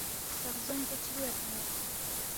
تا غزون پو چِہ بیا تان٘ید